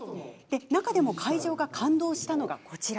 中でも会場が感動したのがこちら。